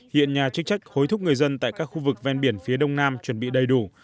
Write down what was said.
hiện nhà chức trách hối thúc người dân tại các khu vực ven biển phía đông nam chuẩn bị đầy đủ